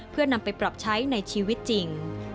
เพื่อนำไปปรับใช้ในชีวิตจริง